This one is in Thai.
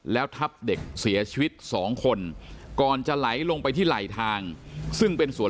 แล้วทับเด็กเสียชีวิต๒คนก่อนจะไหลลงไปที่ไหลทางซึ่งเป็นสวน